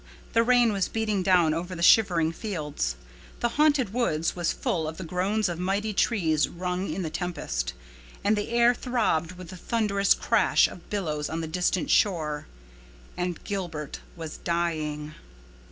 The rain was beating down over the shivering fields. The Haunted Woods was full of the groans of mighty trees wrung in the tempest, and the air throbbed with the thunderous crash of billows on the distant shore. And Gilbert was dying!